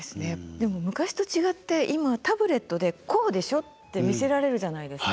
でも昔と違って今はタブレットでこうでしょって見せられるじゃないですか。